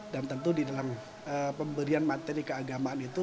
dan tentu di dalam pemberian materi keagamaan itu